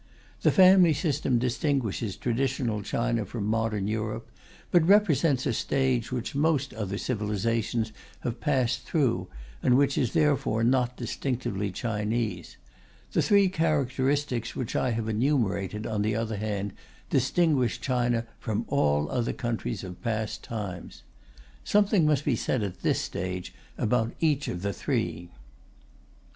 The family system distinguishes traditional China from modern Europe, but represents a stage which most other civilizations have passed through, and which is therefore not distinctively Chinese; the three characteristics which I have enumerated, on the other hand, distinguish China from all other countries of past times. Something must be said at this stage about each of the three.